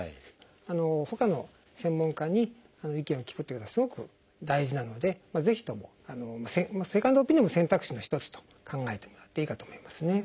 ほかの専門家に意見を聞くというのはすごく大事なのでぜひともセカンドオピニオンも選択肢の一つと考えてもらっていいかと思いますね。